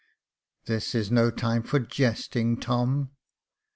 ^*" This is no time for jesting, Tom."